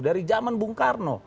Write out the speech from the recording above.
dari zaman bung karo